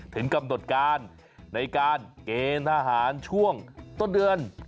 ถึงกำหนดการในการเกณฑ์ทหารช่วงต้นเดือน